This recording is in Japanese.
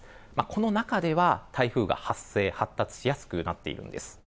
この中では台風が発生・発達しやすくなっているんです。